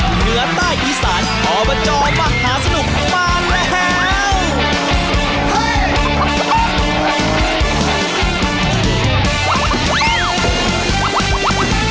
เหนือใต้อีสานอบจมหาสนุกมาแล้ว